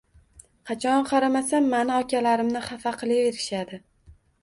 Qachon qaramasa mani okalarimni hafa qilaverishadi.